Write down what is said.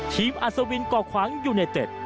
ทีมอัศวินกรอกขวางยูเนตเต็ด